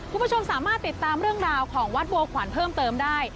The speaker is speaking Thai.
คุณผู้ชมสามารถติดตามเรื่องราวของวัดบัวขวัญเพิ่มเติมได้